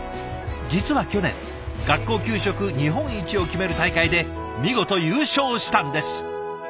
実は去年学校給食日本一を決める大会で見事優勝したんです。